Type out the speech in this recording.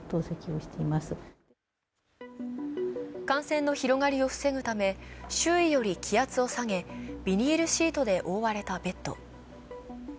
感染の広がりを防ぐため周囲より気圧を下げ、ビニールシートで覆われたベッド。